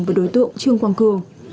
và đối tượng trương quang cường